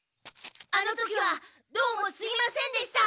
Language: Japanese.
あの時はどうもすいませんでした！